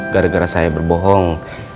gara gara saya berbohong